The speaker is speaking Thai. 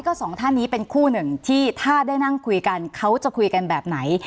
ก็สองท่านนี้เป็นคู่หนึ่งที่ถ้าได้นั่งคุยกันเขาจะคุยกันแบบไหน